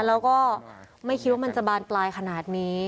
แล้วก็ไม่คิดว่ามันจะบานปลายขนาดนี้